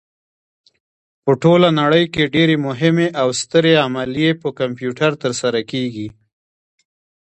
په ټوله نړۍ کې ډېرې مهمې او سترې عملیې په کمپیوټر ترسره کېږي.